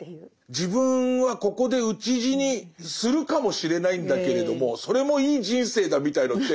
自分はここで討ち死にするかもしれないんだけれどもそれもいい人生だみたいのって